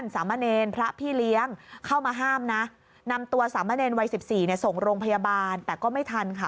สามะเนรวัย๑๔ส่งโรงพยาบาลแต่ก็ไม่ทันค่ะ